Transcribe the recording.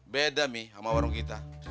beda nih sama warung kita